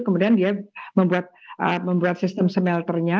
kemudian dia membuat sistem smelternya